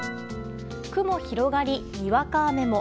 雲広がり、にわか雨も。